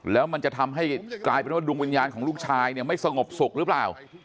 แล้วมันจะทำให้กลายเป็นว่าดวงวิญญาณของลูกชายเนี่ยไม่สงบสุขหรือเปล่า